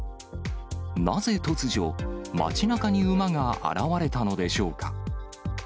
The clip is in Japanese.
なぜ突如、町なかに馬が現われたのでしょうか。